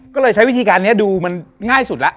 ก็เลยใช้วิธีการนี้ดูมันง่ายสุดแล้ว